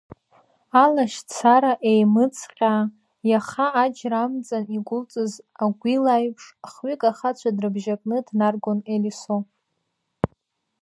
Алашьцара еимыцҟьаа, иаха аџьра амҵан игәылҵыз агәил аиԥш, хҩык ахацәа дрыбжьакны днаргон Елисо.